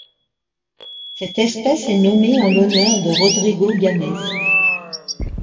Cette espèce est nommée en l'honneur de Rodrigo Gámez.